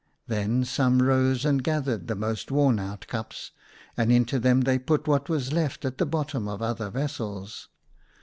Then some rose and gathered the most worn out cups, and into them they put what was left at the bottom of other vessels.